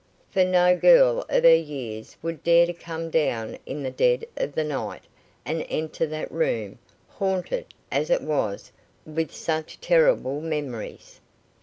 For no girl of her years would dare to come down in the dead of the night, and enter that room, haunted as it was with such terrible memories.